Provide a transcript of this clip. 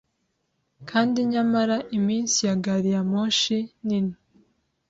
kandi nyamara iminsi ya Gari ya moshi nini